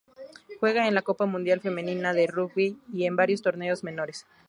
Juega en la Copa Mundial Femenina de Rugby y en varios torneos menores.